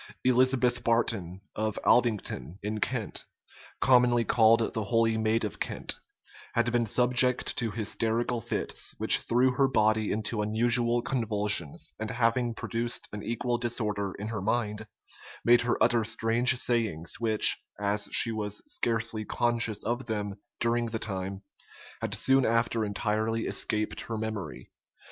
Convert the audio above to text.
Elizabeth Barton, of Aldington, in Kent, commonly called the "holy maid of Kent," had been subject to hysterical fits, which threw her body into unusual convulsions; and having produced an equal disorder in her mind, made her utter strange sayings, which, as she was scarcely conscious of them during the time, had soon after entirely escaped her memory.